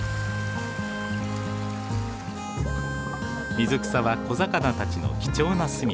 水草は小魚たちの貴重なすみか。